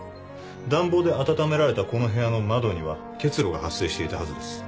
暖房で温められたこの部屋の窓には結露が発生していたはずです。